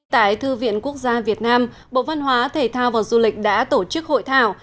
tại thư viện quốc gia việt nam bộ văn hóa thể thao và du lịch đã tổ chức hội thảo